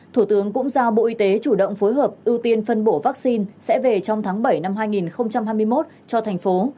thủ tướng cũng giao bộ y tế chủ động phối hợp ưu tiên phân bổ vaccine sẽ về trong tháng bảy năm hai nghìn hai mươi một cho thành phố